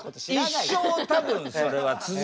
一生多分それは続くよ。